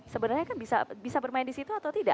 sebenarnya kan bisa bermain di situ atau tidak